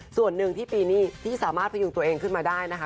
ส่วนหนึ่งที่ปีนี้ที่สามารถพยุงตัวเองขึ้นมาได้นะคะ